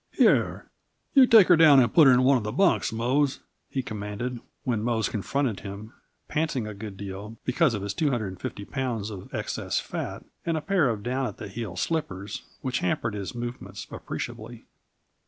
"Here! You take her down and put her in one of the bunks, Mose," he commanded, when Mose confronted him, panting a good deal because of his two hundred and fifty pounds of excess fat and a pair of down at the heel slippers which hampered his movements appreciably.